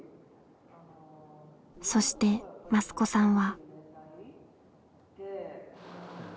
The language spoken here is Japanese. そして益子さんは。